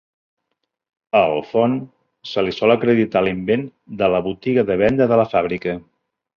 A Alfond se li sol acreditar l'invent de la botiga de venda de la fàbrica.